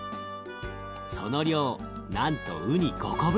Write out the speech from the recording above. その量なんとうに５個分。